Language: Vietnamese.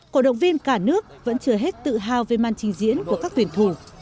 cổ động viên cả nước vẫn chưa hết tự hào về màn trình diễn của các tuyển thủ